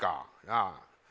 なあ。